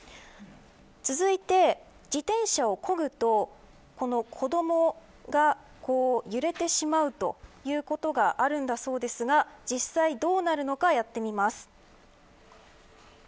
続いて、自転車をこぐとこの子どもが揺れてしまうということがあるんだそうですが実際どうなるのかやってみます。